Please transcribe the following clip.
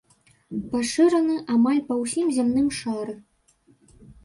Пашыраны амаль па ўсім зямным шары.